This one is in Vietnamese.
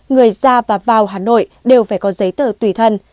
người ra và vào hà nội đều phải có giấy tờ tùy thân